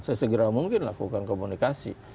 sesegera mungkin lakukan komunikasi